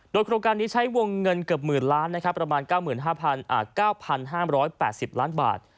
โดยโครงการนี้ใช้วงเงินเกือบหมื่นล้านประมาณ๙๙๕๘๐ล้านบาท